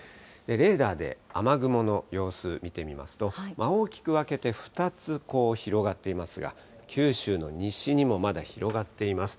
レーダーで雨雲の様子、見てみますと、大きく分けて２つ広がっていますが、九州の西にもまだ広がっています。